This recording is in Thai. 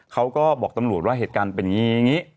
เขาก็บอกตำรวจว่าเหตุการณ์เป็นอย่างนี้อย่างนี้